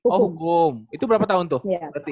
oh hukum itu berapa tahun tuh